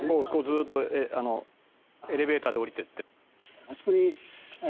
「ずーっとエレベーターで降りてって」